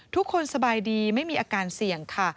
ทุกคนสบายดีไม่มีอาการเสี่ยงค่ะ